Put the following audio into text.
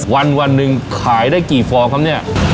วันวันหนึ่งขายได้กี่ฟองครับเนี่ย